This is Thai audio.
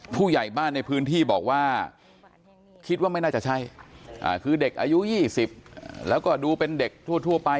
ผู้ใหญ่บ้านในพื้นที่บอกว่าคิดว่าไม่น่าจะใช่คือเด็กอายุ๒๐แล้วก็ดูเป็นเด็กทั่วไป